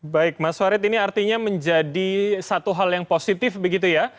baik mas warid ini artinya menjadi satu hal yang positif begitu ya